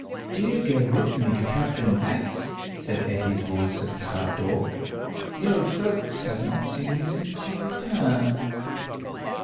"Do go with me to Captain Black's," said Etty's voice at the side door. "The old folks have not seen you since your return."